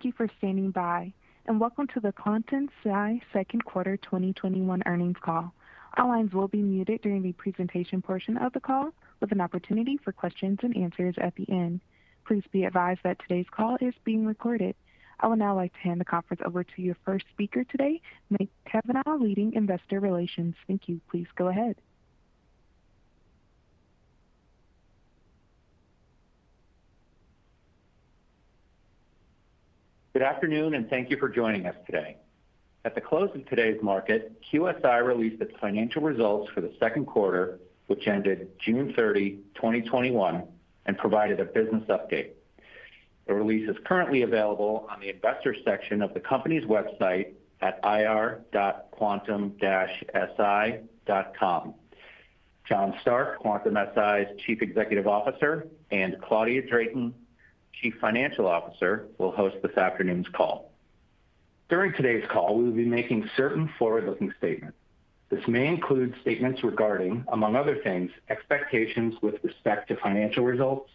Thank you for standing by, and welcome to the Quantum-Si second quarter 2021 earnings call. All lines will be muted during the presentation portion of the call, with an opportunity for questions and answers at the end. Please be advised that today's call is being recorded. I would now like to hand the conference over to your first speaker today, Mike Cavanaugh, leading Investor Relations. Thank you. Please go ahead. Good afternoon, and thank you for joining us today. At the close of today's market, QSI released its financial results for the second quarter, which ended June 30, 2021, and provided a business update. The release is currently available on the investors section of the company's website at ir.quantum-si.com. John Stark, Quantum-Si's Chief Executive Officer, and Claudia Drayton, Chief Financial Officer, will host this afternoon's call. During today's call, we will be making certain forward-looking statements. This may include statements regarding, among other things, expectations with respect to financial results,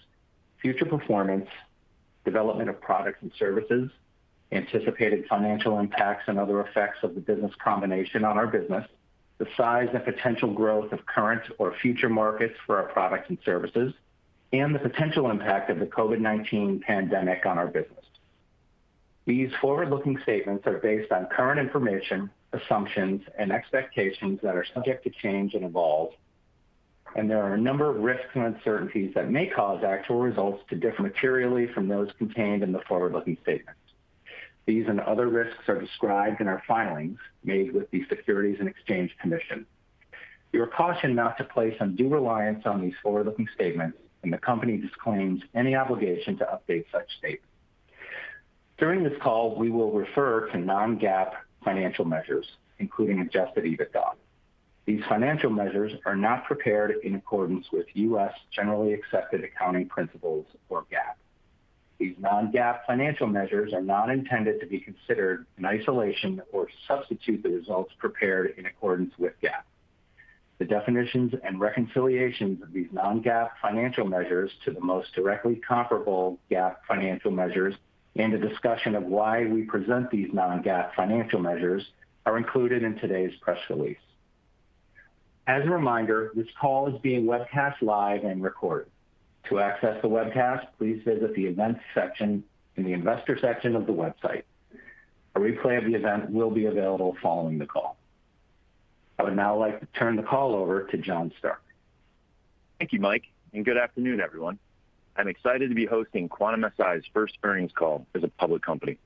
future performance, development of products and services, anticipated financial impacts and other effects of the business combination on our business, the size and potential growth of current or future markets for our products and services, and the potential impact of the COVID-19 pandemic on our business. These forward-looking statements are based on current information, assumptions, and expectations that are subject to change and evolve, and there are a number of risks and uncertainties that may cause actual results to differ materially from those contained in the forward-looking statements. These and other risks are described in our filings made with the Securities and Exchange Commission. You are cautioned not to place undue reliance on these forward-looking statements, and the company disclaims any obligation to update such statements. During this call, we will refer to non-GAAP financial measures, including adjusted EBITDA. These financial measures are not prepared in accordance with U.S. generally accepted accounting principles, or GAAP. These non-GAAP financial measures are not intended to be considered in isolation or substitute the results prepared in accordance with GAAP. The definitions and reconciliations of these non-GAAP financial measures to the most directly comparable GAAP financial measures, and a discussion of why we present these non-GAAP financial measures, are included in today's press release. As a reminder, this call is being webcast live and recorded. To access the webcast, please visit the events section in the investor section of the website. A replay of the event will be available following the call. I would now like to turn the call over to John Stark. Thank you, Mike. Good afternoon, everyone. I'm excited to be hosting Quantum-Si's first earnings call as a public company.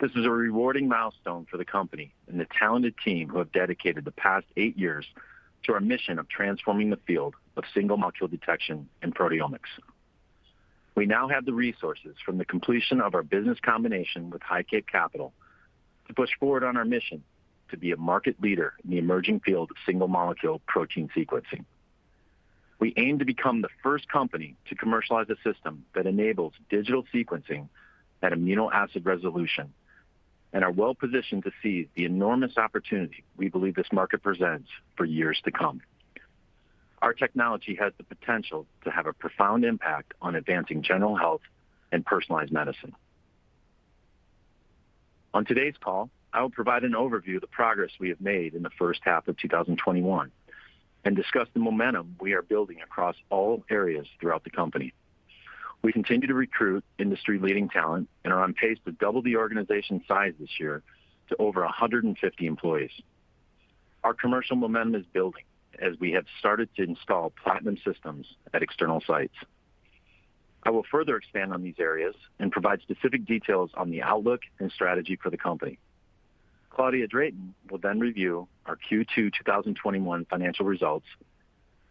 This is a rewarding milestone for the company and the talented team who have dedicated the past eight years to our mission of transforming the field of single molecule detection and proteomics. We now have the resources from the completion of our business combination with HighCape Capital to push forward on our mission to be a market leader in the emerging field of single molecule protein sequencing. We aim to become the first company to commercialize a system that enables digital sequencing at amino acid resolution and are well positioned to seize the enormous opportunity we believe this market presents for years to come. Our technology has the potential to have a profound impact on advancing general health and personalized medicine. On today's call, I will provide an overview of the progress we have made in the first half of 2021 and discuss the momentum we are building across all areas throughout the company. We continue to recruit industry leading talent and are on pace to double the organization size this year to over 150 employees. Our commercial momentum is building as we have started to install Platinum systems at external sites. I will further expand on these areas and provide specific details on the outlook and strategy for the company. Claudia Drayton will review our Q2 2021 financial results.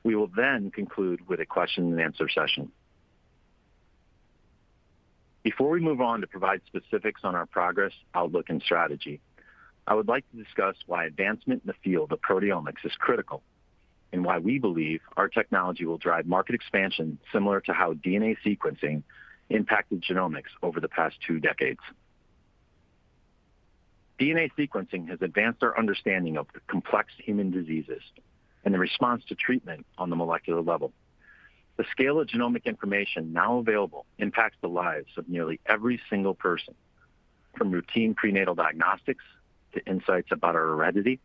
We will then conclude with a question and answer session. Before we move on to provide specifics on our progress, outlook, and strategy, I would like to discuss why advancement in the field of proteomics is critical and why we believe our technology will drive market expansion similar to how DNA sequencing impacted genomics over the past two decades. DNA sequencing has advanced our understanding of the complex human diseases and the response to treatment on the molecular level. The scale of genomic information now available impacts the lives of nearly every single person, from routine prenatal diagnostics to insights about our heredity,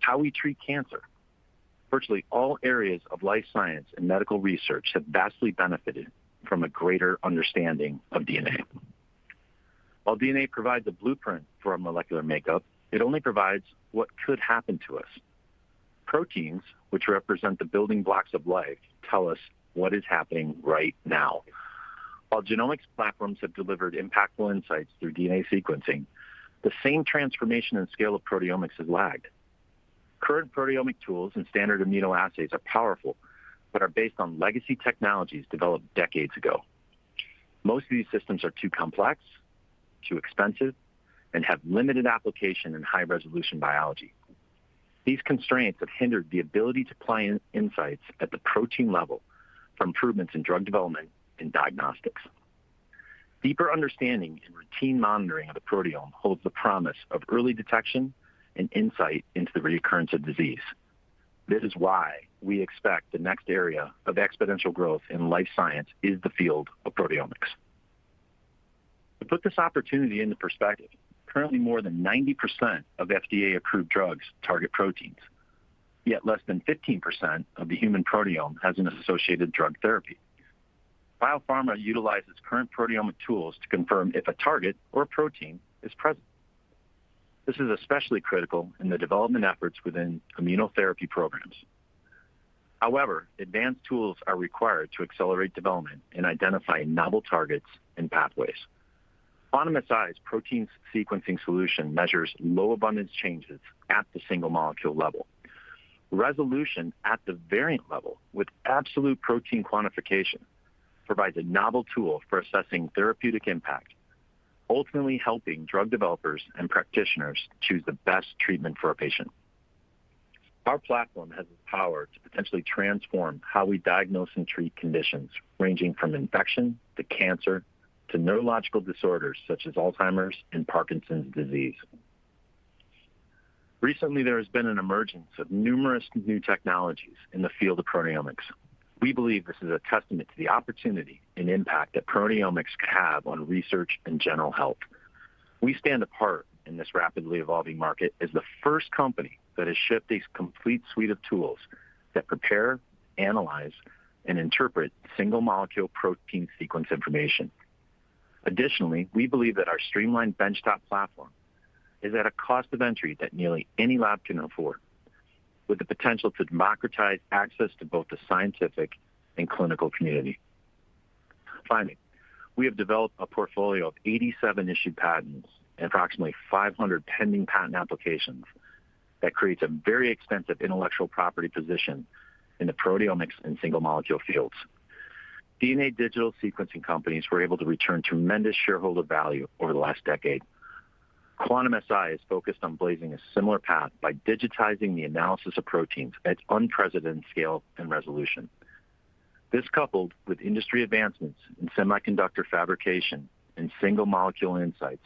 how we treat cancer. Virtually all areas of life science and medical research have vastly benefited from a greater understanding of DNA. While DNA provides a blueprint for our molecular makeup, it only provides what could happen to us. Proteins, which represent the building blocks of life, tell us what is happening right now. While genomics platforms have delivered impactful insights through DNA sequencing, the same transformation and scale of proteomics has lagged. Current proteomic tools and standard immunoassays are powerful, but are based on legacy technologies developed decades ago. Most of these systems are too complex, too expensive, and have limited application in high-resolution biology. These constraints have hindered the ability to apply insights at the protein level for improvements in drug development and diagnostics. Deeper understanding and routine monitoring of the proteome holds the promise of early detection and insight into the reoccurrence of disease. This is why we expect the next area of exponential growth in life science is the field of proteomics. To put this opportunity into perspective, currently more than 90% of FDA-approved drugs target proteins, yet less than 15% of the human proteome has an associated drug therapy. Biopharma utilizes current proteomic tools to confirm if a target or protein is present. This is especially critical in the development efforts within immunotherapy programs. However, advanced tools are required to accelerate development in identifying novel targets and pathways. Quantum-Si's protein sequencing solution measures low abundance changes at the single molecule level. Resolution at the variant level with absolute protein quantification provides a novel tool for assessing therapeutic impact, ultimately helping drug developers and practitioners choose the best treatment for a patient. Our platform has the power to potentially transform how we diagnose and treat conditions, ranging from infection to cancer to neurological disorders such as Alzheimer's and Parkinson's disease. Recently, there has been an emergence of numerous new technologies in the field of proteomics. We believe this is a testament to the opportunity and impact that proteomics can have on research and general health. We stand apart in this rapidly evolving market as the first company that has shipped a complete suite of tools that prepare, analyze, and interpret single molecule protein sequence information. Additionally, we believe that our streamlined bench-top platform is at a cost of entry that nearly any lab can afford, with the potential to democratize access to both the scientific and clinical community. Finally, we have developed a portfolio of 87 issued patents and approximately 500 pending patent applications that creates a very extensive intellectual property position in the proteomics and single molecule fields. DNA digital sequencing companies were able to return tremendous shareholder value over the last decade. Quantum-Si is focused on blazing a similar path by digitizing the analysis of proteins at unprecedented scale and resolution. This, coupled with industry advancements in semiconductor fabrication and single molecule insights,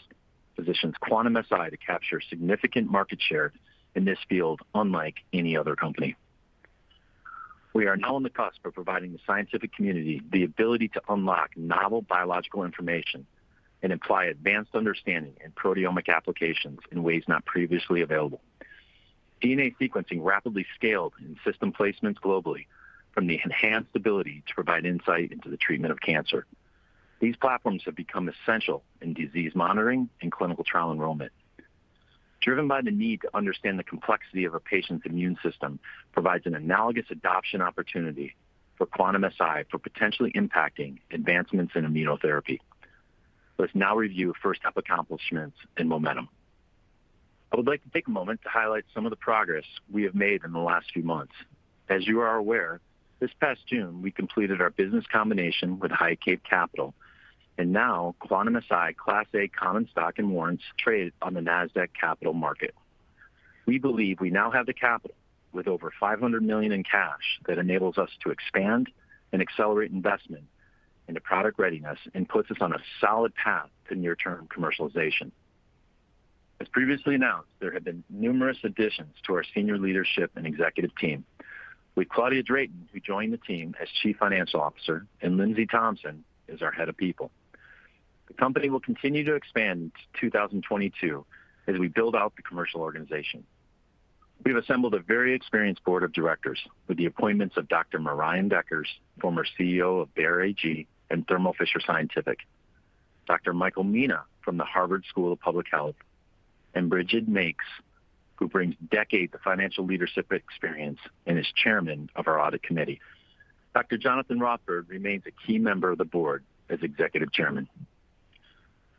positions Quantum-Si to capture significant market share in this field, unlike any other company. We are now on the cusp of providing the scientific community the ability to unlock novel biological information and imply advanced understanding in proteomic applications in ways not previously available. DNA sequencing rapidly scaled in system placements globally from the enhanced ability to provide insight into the treatment of cancer. These platforms have become essential in disease monitoring and clinical trial enrollment. Driven by the need to understand the complexity of a patient's immune system provides an analogous adoption opportunity for Quantum-Si for potentially impacting advancements in immunotherapy. Let's now review first half accomplishments and momentum. I would like to take a moment to highlight some of the progress we have made in the last few months. As you are aware, this past June, we completed our business combination with HighCape Capital, and now Quantum-Si Class A common stock and warrants trade on the Nasdaq Capital Market. We believe we now have the capital, with over $500 million in cash, that enables us to expand and accelerate investment into product readiness and puts us on a solid path to near-term commercialization. As previously announced, there have been numerous additions to our senior leadership and executive team with Claudia Drayton, who joined the team as Chief Financial Officer, and Lindsay Thompson is our Head of People. The company will continue to expand into 2022 as we build out the commercial organization. We've assembled a very experienced board of directors with the appointments of Dr. Marijn Dekkers, former CEO of Bayer AG and Thermo Fisher Scientific, Dr. Michael Mina from the Harvard School of Public Health, and Brigid Makes, who brings decades of financial leadership experience and is Chairman of our Audit Committee. Dr. Jonathan Rothberg remains a key member of the board as Executive Chairman.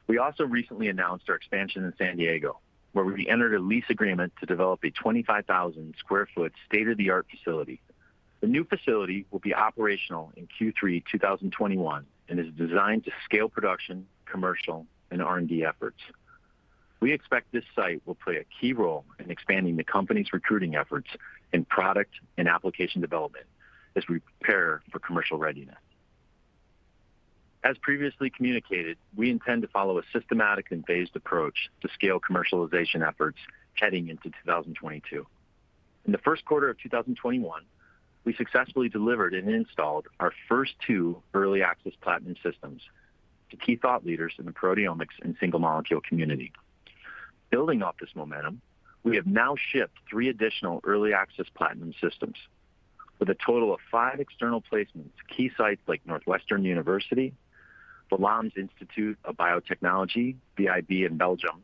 We also recently announced our expansion in San Diego, where we entered a lease agreement to develop a 25,000 sq ft state-of-the-art facility. The new facility will be operational in Q3 2021 and is designed to scale production, commercial, and R&D efforts. We expect this site will play a key role in expanding the company's recruiting efforts in product and application development as we prepare for commercial readiness. As previously communicated, we intend to follow a systematic and phased approach to scale commercialization efforts heading into 2022. In the first quarter of 2021, we successfully delivered and installed our first two early access Platinum systems to key thought leaders in the proteomics and single molecule community. Building off this momentum, we have now shipped three additional early access Platinum systems with a total of five external placements to key sites like Northwestern University, the VIB (Flanders Institute for Biotechnology), VIB in Belgium,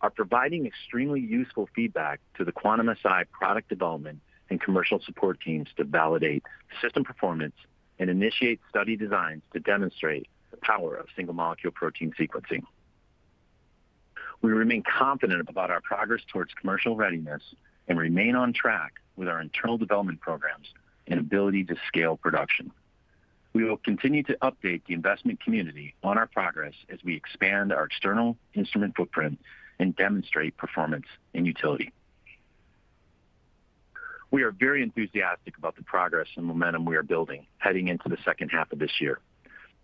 are providing extremely useful feedback to the Quantum-Si product development and commercial support teams to validate system performance and initiate study designs to demonstrate the power of single molecule protein sequencing. We remain confident about our progress towards commercial readiness and remain on track with our internal development programs and ability to scale production. We will continue to update the investment community on our progress as we expand our external instrument footprint and demonstrate performance and utility. We are very enthusiastic about the progress and momentum we are building heading into the H2 of this year.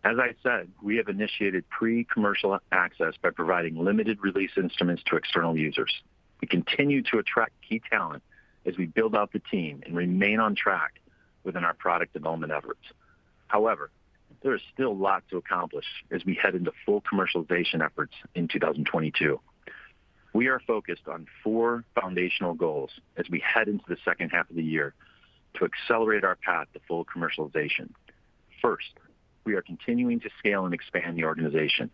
As I said, we have initiated pre-commercial access by providing limited release instruments to external users. We continue to attract key talent as we build out the team and remain on track within our product development efforts. There is still lot to accomplish as we head into full commercialization efforts in 2022. We are focused on four foundational goals as we head into the H2 of the year to accelerate our path to full commercialization. First, we are continuing to scale and expand the organization.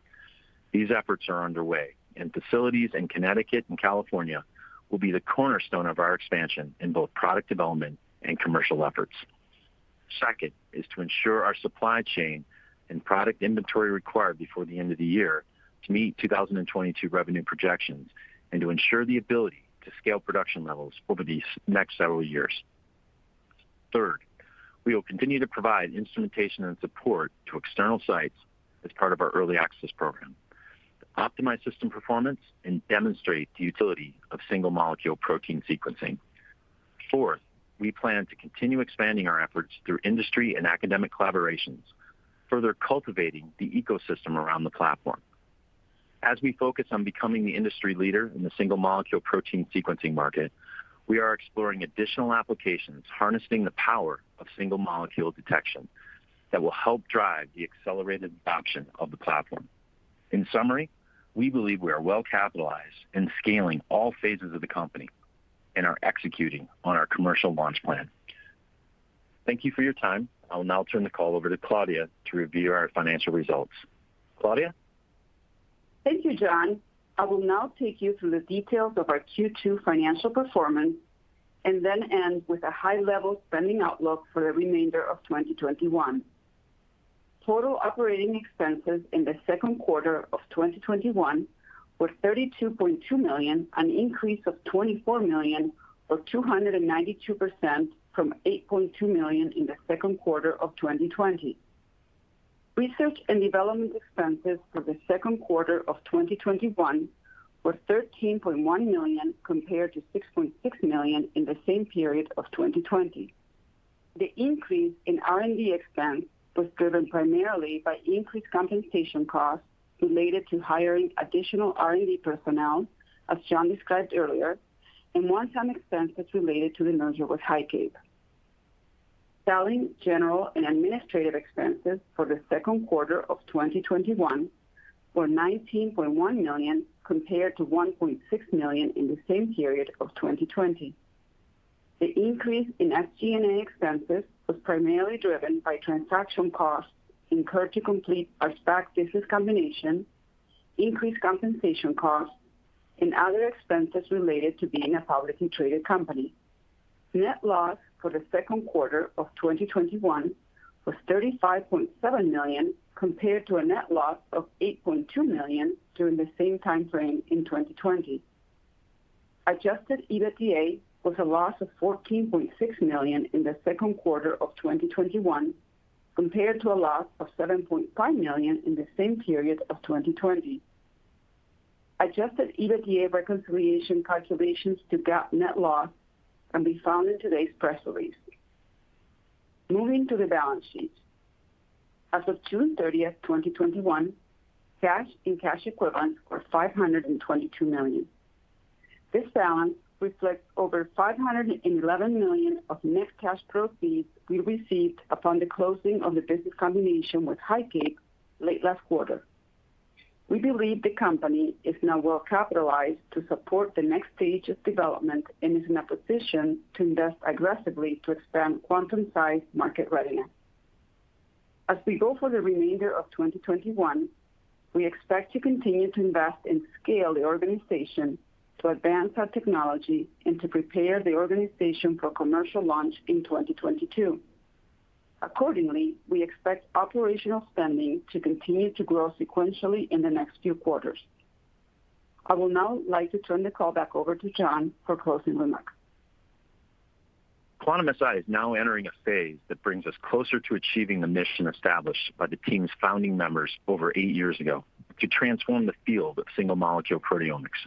These efforts are underway, and facilities in Connecticut and California will be the cornerstone of our expansion in both product development and commercial efforts. Second, is to ensure our supply chain and product inventory required before the end of the year to meet 2022 revenue projections and to ensure the ability to scale production levels over these next several years. Third, we will continue to provide instrumentation and support to external sites as part of our early access program to optimize system performance and demonstrate the utility of single-molecule protein sequencing. Fourth, we plan to continue expanding our efforts through industry and academic collaborations, further cultivating the ecosystem around the platform. As we focus on becoming the industry leader in the single-molecule protein sequencing market, we are exploring additional applications, harnessing the power of single-molecule detection that will help drive the accelerated adoption of the platform. In summary, we believe we are well-capitalized in scaling all phases of the company and are executing on our commercial launch plan. Thank you for your time. I will now turn the call over to Claudia to review our financial results. Claudia? Thank you, John. I will now take you through the details of our Q2 financial performance and then end with a high-level spending outlook for the remainder of 2021. Total operating expenses in the second quarter of 2021 were $32.2 million, an increase of $24 million or 292% from $8.2 million in the second quarter of 2020. Research and development expenses for the second quarter of 2021 were $13.1 million, compared to $6.6 million in the same period of 2020. The increase in R&D expense was driven primarily by increased compensation costs related to hiring additional R&D personnel, as John described earlier, and one-time expenses related to the merger with HighCape. Selling, general, and administrative expenses for the second quarter of 2021 were $19.1 million, compared to $1.6 million in the same period of 2020. The increase in SG&A expenses was primarily driven by transaction costs incurred to complete our SPAC business combination, increased compensation costs, and other expenses related to being a publicly traded company. Net loss for the second quarter of 2021 was $35.7 million, compared to a net loss of $8.2 million during the same time frame in 2020. Adjusted EBITDA was a loss of $14.6 million in the second quarter of 2021, compared to a loss of $7.5 million in the same period of 2020. Adjusted EBITDA reconciliation calculations to GAAP net loss can be found in today's press release. Moving to the balance sheet. As of June 30th, 2021, cash and cash equivalents were $522 million. This balance reflects over $511 million of net cash proceeds we received upon the closing of the business combination with HighCape late last quarter. We believe the company is now well-capitalized to support the next stage of development and is in a position to invest aggressively to expand Quantum-Si's market readiness. As we go for the remainder of 2021, we expect to continue to invest and scale the organization to advance our technology and to prepare the organization for commercial launch in 2022. Accordingly, we expect operational spending to continue to grow sequentially in the next few quarters. I would now like to turn the call back over to John for closing remarks. Quantum-Si is now entering a phase that brings us closer to achieving the mission established by the team's founding members over eight years ago to transform the field of single-molecule proteomics.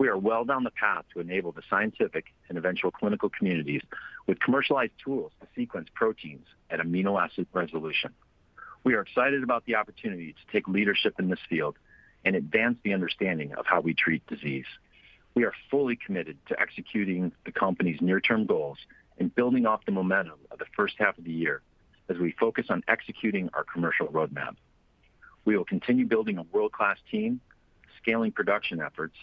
We are well down the path to enable the scientific and eventual clinical communities with commercialized tools to sequence proteins at amino acid resolution. We are excited about the opportunity to take leadership in this field and advance the understanding of how we treat disease. We are fully committed to executing the company's near-term goals and building off the momentum of the H1 of the year as we focus on executing our commercial roadmap. We will continue building a world-class team, scaling production efforts,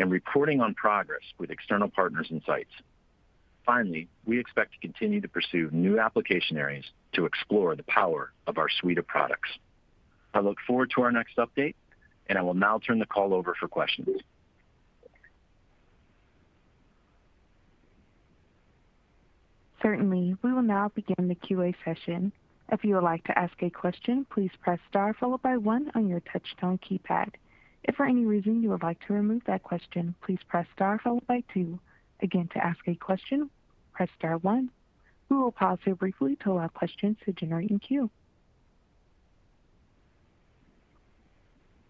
and reporting on progress with external partners and sites. Finally, we expect to continue to pursue new application areas to explore the power of our suite of products. I look forward to our next update, and I will now turn the call over for questions. Certainly. We will now begin the QA session. If you would like to ask a question please press star followed by one on your touch-tone keypad. If for any reason you would like to remove that question please press star followed by two. Again to ask a question press star one, we would pass briefly to your question to general queue.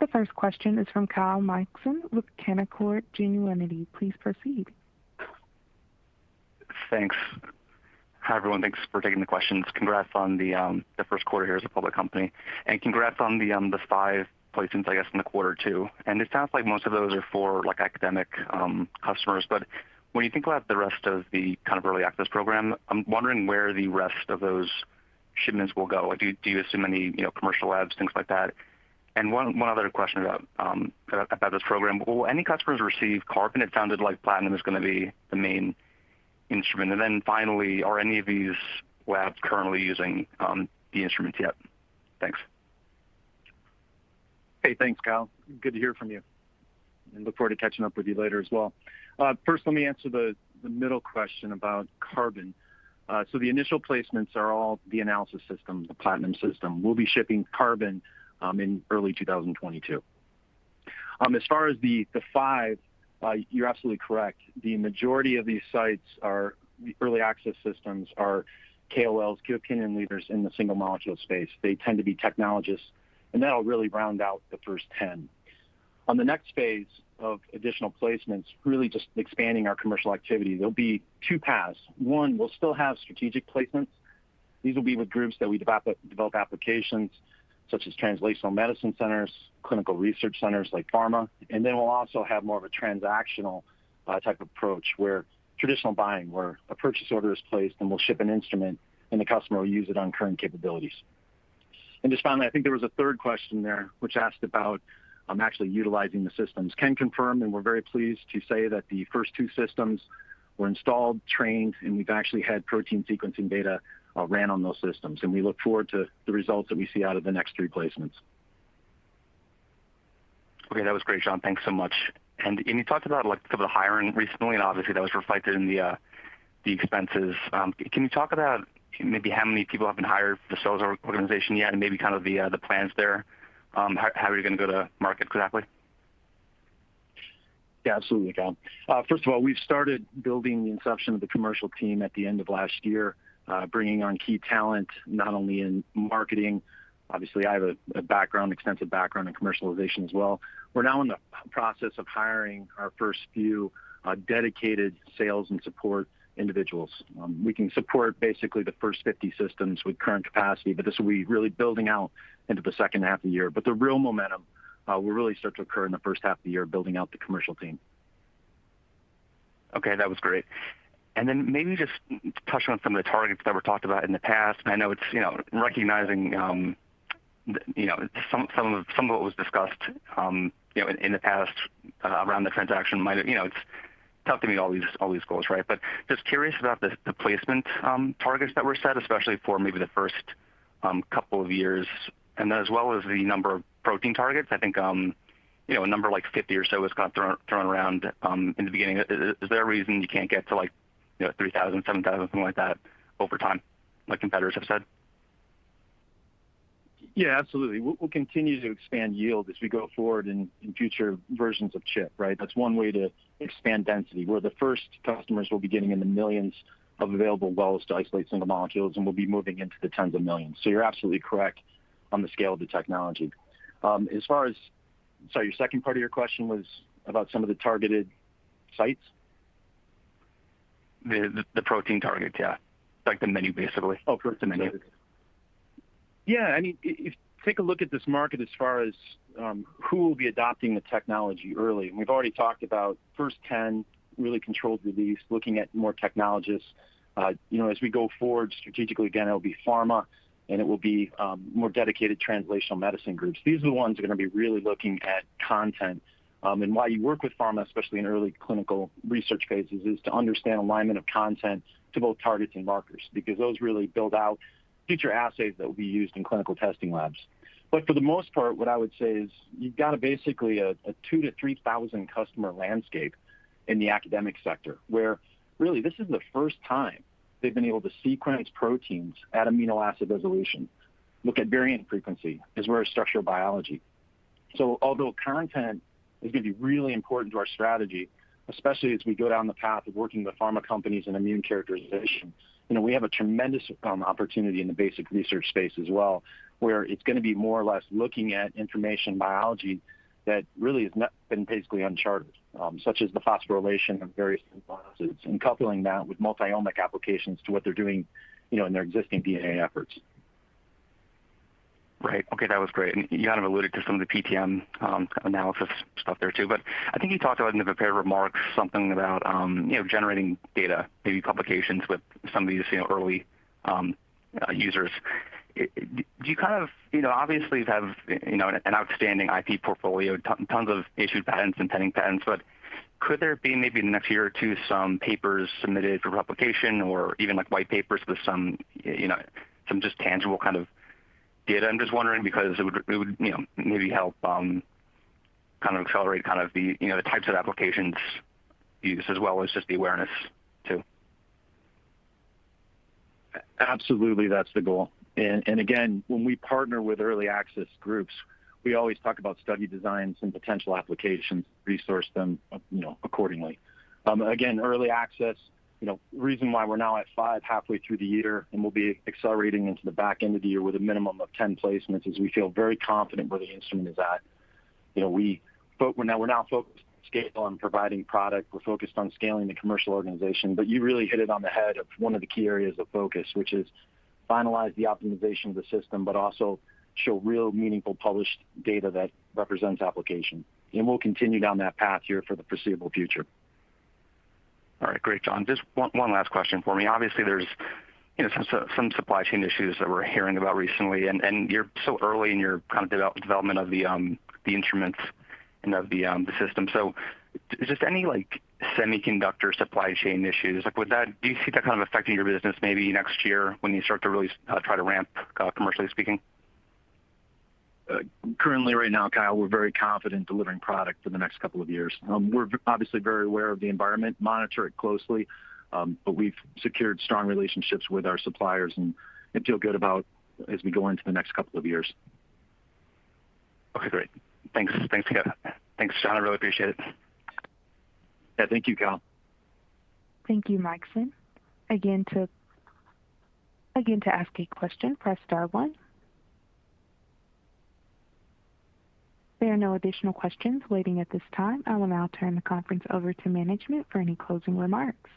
The first question is from Kyle Mikson with Canaccord Genuity. Please proceed. Thanks. Hi, everyone. Thanks for taking the questions. Congrats on the first quarter here as a public company, and congrats on the five placements, I guess, in the quarter two. It sounds like most of those are for academic customers, but when you think about the rest of the early access program, I'm wondering where the rest of those shipments will go. Do you assume any commercial labs, things like that? One other question about this program, will any customers receive Carbon? It sounded like Platinum is going to be the main instrument. Finally, are any of these labs currently using the instruments yet? Thanks. Hey, thanks, Kyle. Good to hear from you, and look forward to catching up with you later as well. First, let me answer the middle question about Carbon. The initial placements are all the analysis system, the Platinum system. We'll be shipping Carbon in early 2022. As far as the five, you're absolutely correct. The majority of these sites are the early access systems are KOLs, key opinion leaders, in the single-molecule space. They tend to be technologists, and that'll really round out the first 10. On the next phase of additional placements, really just expanding our commercial activity, there'll be two paths. One, we'll still have strategic placements. These will be with groups that we develop applications, such as translational medicine centers, clinical research centers like pharma. We'll also have more of a transactional type approach, where traditional buying, where a purchase order is placed, and we'll ship an instrument, and the customer will use it on current capabilities. Just finally, I think there was a third question there, which asked about actually utilizing the systems. Ken confirmed, and we're very pleased to say that the first two systems were installed, trained, and we've actually had protein sequencing data ran on those systems, and we look forward to the results that we see out of the next three placements. Okay. That was great, John. Thanks so much. You talked about the hiring recently, and obviously, that was reflected in the expenses. Can you talk about maybe how many people have been hired for the sales organization yet, and maybe the plans there? How are you going to go to market exactly? Yeah, absolutely, Kyle. First of all, we've started building the inception of the commercial team at the end of last year, bringing on key talent, not only in marketing. Obviously, I have an extensive background in commercialization as well. We're now in the process of hiring our first few dedicated sales and support individuals. We can support basically the first 50 systems with current capacity, but this will be really building out into the H2 of the year. The real momentum will really start to occur in the H1 of the year, building out the commercial team. Okay. That was great. Maybe just touch on some of the targets that were talked about in the past. I know it's recognizing some of what was discussed in the past around the transaction. It's tough to meet all these goals, right? Just curious about the placement targets that were set, especially for maybe the first couple of years, and then as well as the number of protein targets. I think a number like 50 or so was thrown around in the beginning. Is there a reason you can't get to 3,000, 7,000, something like that over time, like competitors have said? Yeah, absolutely. We'll continue to expand yield as we go forward in future versions of chip, right? That's one way to expand density, where the first customers will be getting in the millions of available wells to isolate single molecules, and we'll be moving into the tens of millions. You're absolutely correct on the scale of the technology. Sorry, your second part of your question was about some of the targeted sites? The protein target, yeah. Like the menu, basically. Okay. The menu. Yeah. If you take a look at this market as far as who will be adopting the technology early, and we've already talked about first 10, really controlled release, looking at more technologists. As we go forward strategically, again, it'll be pharma and it will be more dedicated translational medicine groups. These are the ones who are going to be really looking at content, and why you work with pharma, especially in early clinical research phases, is to understand alignment of content to both targets and markers, because those really build out future assays that will be used in clinical testing labs. For the most part, what I would say is you've got a basically a 2,000-3,000 customer landscape in the academic sector, where really this is the first time they've been able to sequence proteins at amino acid resolution, look at variant frequency as well as structural biology. Although content is going to be really important to our strategy, especially as we go down the path of working with pharma companies in immune characterization, we have a tremendous opportunity in the basic research space as well, where it's going to be more or less looking at information biology that really has been basically uncharted. Coupling that with multi-omic applications to what they're doing in their existing DNA efforts. Right. Okay. That was great. You kind of alluded to some of the PTM kind of analysis stuff there too, but I think you talked about in the prepared remarks something about generating data, maybe publications with some of these early users. Obviously, you have an outstanding IP portfolio, tons of issued patents and pending patents. Could there be maybe in the next year or two some papers submitted for publication or even white papers with some just tangible kind of data? I'm just wondering because it would maybe help accelerate the types of applications use as well as just the awareness, too. Absolutely. That's the goal. Again, when we partner with early access groups, we always talk about study designs and potential applications, resource them accordingly. Again, early access, reason why we're now at five halfway through the year and we'll be accelerating into the back end of the year with a minimum of 10 placements is we feel very confident where the instrument is at. We're now focused scale on providing product. We're focused on scaling the commercial organization. You really hit it on the head of one of the key areas of focus, which is finalize the optimization of the system, but also show real, meaningful, published data that represents application. We'll continue down that path here for the foreseeable future. All right. Great, John. Just one last question for me. Obviously, there's some supply chain issues that we're hearing about recently, and you're so early in your development of the instruments and of the system. Is this any semiconductor supply chain issues? Do you see that kind of affecting your business maybe next year when you start to really try to ramp, commercially speaking? Currently right now, Kyle, we're very confident delivering product for the next couple of years. We're obviously very aware of the environment, monitor it closely, but we've secured strong relationships with our suppliers and feel good about as we go into the next couple of years. Okay, great. Thanks, John. I really appreciate it. Yeah. Thank you, Kyle. Thank you, Kyle Mikson. Again, to ask a question, press star one. There are no additional questions waiting at this time. I will now turn the conference over to management for any closing remarks.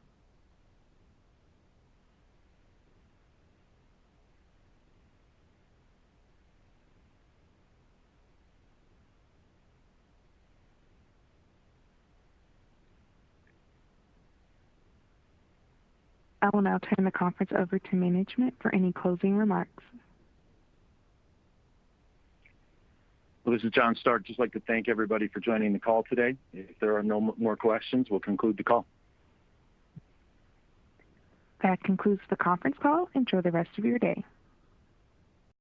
This is John Stark. Just like to thank everybody for joining the call today. If there are no more questions, we'll conclude the call. That concludes the conference call. Enjoy the rest of your day.